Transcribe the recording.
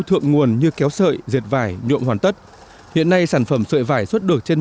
sản xuất gần như kéo sợi diệt vải nhuộm hoàn tất hiện nay sản phẩm sợi vải xuất được trên